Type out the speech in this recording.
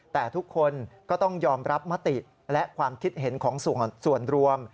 แต่ทุกคนก็ต้องยอมรับมติและความคิดเห็นของส่วนรวม